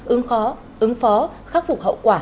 ứng khó ứng phó khắc phục hậu quả